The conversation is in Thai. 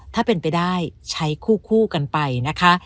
ถ้าเป็นไปได้ใช้คู่กันไปนะคะ